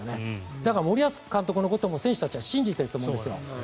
だから森保監督のことも選手たちは信じてると思うんですよ。